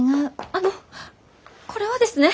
あのこれはですね。